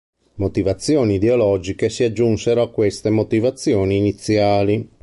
Motivazioni ideologiche si aggiunsero a queste motivazioni iniziali.